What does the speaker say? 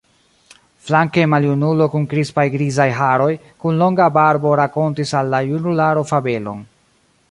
Flanke maljunulo kun krispaj grizaj haroj, kun longa barbo rakontis al la junularo fabelon.